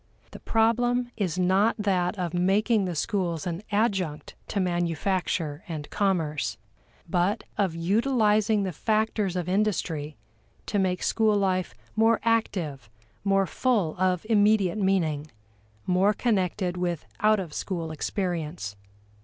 The problem is not that of making the schools an adjunct to manufacture and commerce, but of utilizing the factors of industry to make school life more active, more full of immediate meaning, more connected with out of school experience.